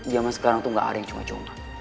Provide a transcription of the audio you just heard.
zaman sekarang tuh gak ada yang cuma cuma